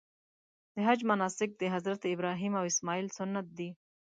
د حج مناسک د حضرت ابراهیم او اسماعیل سنت دي.